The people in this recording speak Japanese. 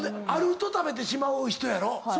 あると食べてしまう人やろ？